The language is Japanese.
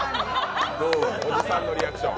南波さんのリアクション。